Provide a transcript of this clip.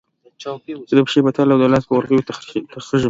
زه د پښې په تله او د لاس په ورغوي تخږم